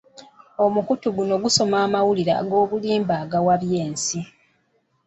Omukutu guno gusoma amawulire ag'obulimba agawabya ensi.